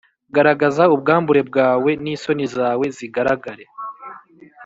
Garagaza ubwambure bwawe n isoni zawe zigaragare